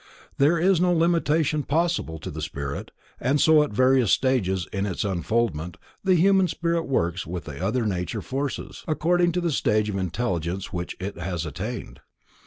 There is no limitation possible to the spirit, and so at various stages in its unfoldment the Human Spirit works with the other nature forces, according to the stage of intelligence which it has attained.